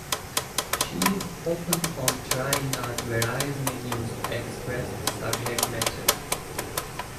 She is open on trying out various mediums to express the subject matter.